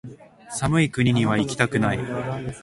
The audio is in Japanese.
寒い国にはいきたくない